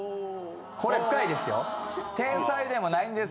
これ深いですよ。